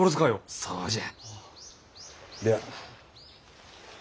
そうじゃ。